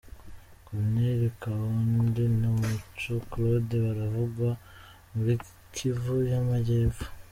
Colonel Kabundi na Mico Claude baravugwa muri Kivu y’amajyepfo